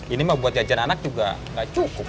ini buat jajan anak juga gak cukup